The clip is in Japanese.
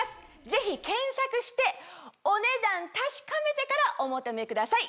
ぜひ検索してお値段確かめてからお求めください。